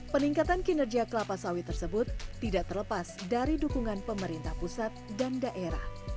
peningkatan kinerja kelapa sawit tersebut tidak terlepas dari dukungan pemerintah pusat dan daerah